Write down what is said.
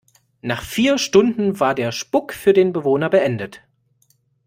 Nach vier Stunden war der Spuck für den Bewohner beendet.